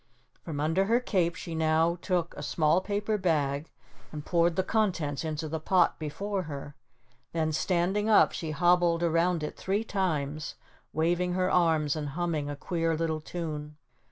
From under her cape she now took a small paper bag and poured the contents into the pot before her, then standing up she hobbled around it three times, waving her arms and humming a queer little tune.